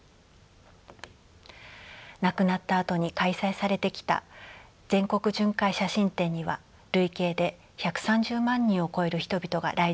亡くなったあとに開催されてきた全国巡回写真展には累計で１３０万人を超える人々が来場しています。